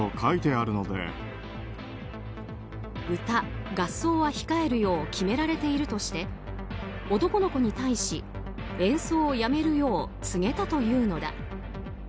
歌、合奏は控えるよう決められているとして男の子に対し演奏をやめるよう告げたというのだ。